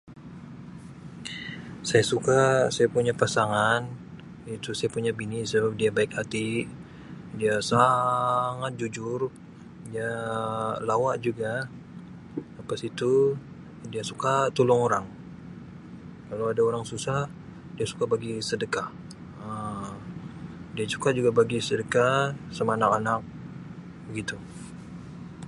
Saya suka saya punya pasangan itu saya punya bini sebab dia baik hati, dia sangat jujur, dia lawa juga. Lepas itu dia suka tolong orang. Kalau ada orang susah dia suka bagi sedekah Um dia suka juga bagi sedekah sama anak-anak begitu.